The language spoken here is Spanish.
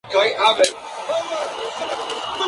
Esta integración era principalmente de carácter civil.